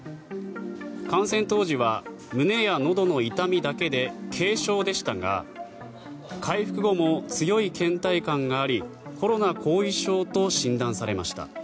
感染当時は胸やのどの痛みだけで軽症でしたが回復後も強いけん怠感がありコロナ後遺症と診断されました。